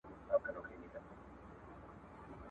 د بمونو راکټونو له هیبته !.